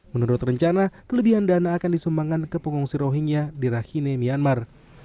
menurut rencana kelebihan dana akan disumbangkan ke pengungsi rohingya di rahine myanmar